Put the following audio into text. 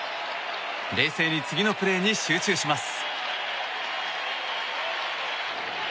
冷静に次のプレーに集中します。